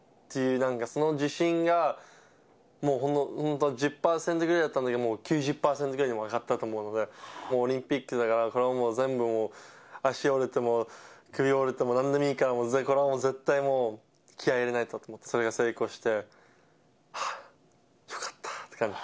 なんかその自信が、もう本当、１０％ぐらいだったんだけど、もう９０％ぐらいに上がったと思うので、もうオリンピックだから、これはもう、全部もう、足が折れても首が折れてもなんでもいいから、もうこれは絶対もう、気合い入れないとと思って、それが成功して、はぁ、よかったって感じ。